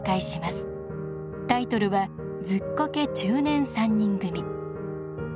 タイトルは「ズッコケ中年三人組」。